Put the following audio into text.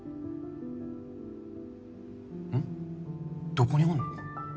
どこにおんの？